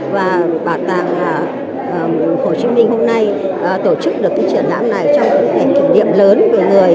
và bảo tàng hồ chí minh hôm nay tổ chức được cái triển lãm này trong những ngày kỷ niệm lớn về người